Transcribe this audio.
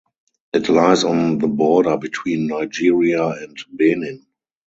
It lies on the border between Nigeria and Benin.